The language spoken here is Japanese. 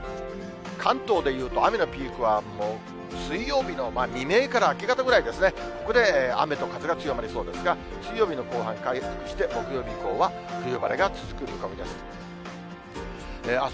関東でいうと、雨のピークは、もう水曜日の未明から明け方ぐらいですね、ここで雨と風が強まりそうですが、水曜日の後半に回復して、木曜日以降は冬晴れが続く見込みです。